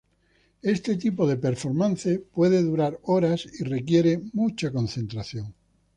Este tipo de performance puede durar horas y requiere mucha concentración.